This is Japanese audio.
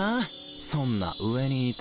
そんな上にいて。